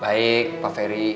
baik pak ferry